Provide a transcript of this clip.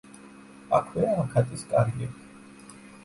აქვეა აქატის კარიერი.